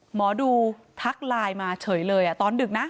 หมอดูทักไลน์มาเฉยเลยตอนดึกนะ